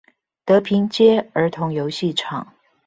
德平街兒童遊戲場